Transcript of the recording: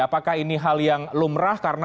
apakah ini hal yang lumrah karena